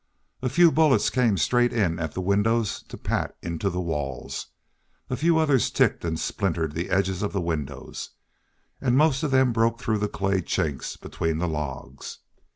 A few bullets came straight in at the windows to pat into the walls; a few others ticked and splintered the edges of the windows; and most of them broke through the clay chinks between the logs.